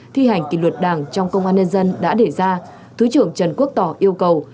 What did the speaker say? thi hành kỷ luật đảng trong công an nhân dân đã để ra thứ trưởng trần quốc tỏ yêu cầu